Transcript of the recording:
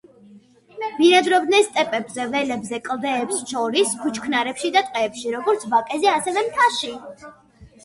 ბინადრობენ სტეპებში, ველებზე, კლდეებს შორის, ბუჩქნარებში და ტყეებში, როგორც ვაკეზე, ასევე მთაში.